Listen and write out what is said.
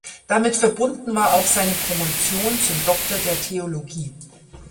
Damit verbunden war auch seine Promotion zum Doktor der Theologie.